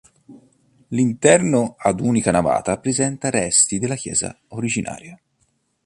L'interno ad unica navata presenta resti della chiesa originaria.